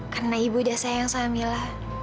karena ibu udah sayang sama mila